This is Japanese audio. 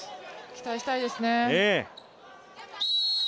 期待したいですね。